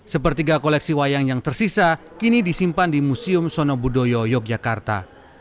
sepertiga koleksi wayang yang tersisa kini disimpan di museum sonobudoyo yogyakarta